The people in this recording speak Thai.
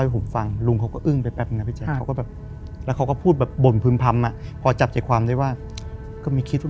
เพื่อจะให้เล่ะแรง